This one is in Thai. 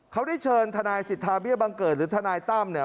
เขาได้เชิญทนายสิทธาเบี้ยบังเกิดหรือทนายตั้มเนี่ย